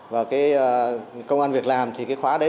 và cái công an việc làm thì cái khóa đấy